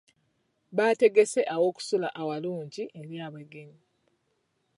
Bategese awokusula awalungi eri abagenyi.